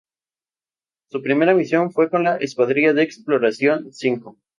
Su primera misión fue con la escuadrilla de exploración cinco.